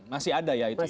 masih ada ya itu ya